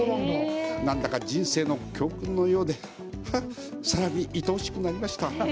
何だか人生の教訓のようでさらに、いとおしくなりました。